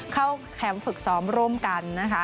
เข้าแคมป์ฝึกซ้อมร่วมกัน